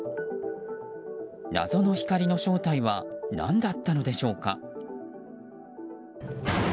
謎の光の正体は何だったのでしょうか。